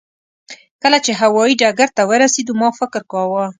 کله چې هوایي ډګر ته ورسېدو ما فکر کاوه.